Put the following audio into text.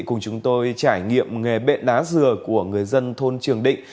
cùng chúng tôi trải nghiệm nghề bện đá dừa của người dân thôn trường định